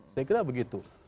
saya kira begitu